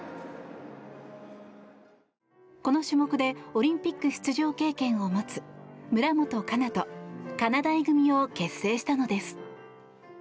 この種目でオリンピック出場経験を持つ村元哉中とかなだい組を結成したのです。